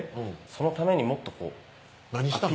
そのためにもっとこう何したの？